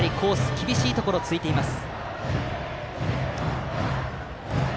厳しいところを突いています。